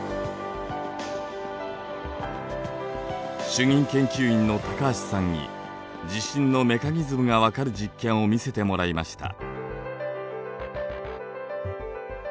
主任研究員の高橋さんに地震のメカニズムが分かる実験を見せてもらいました。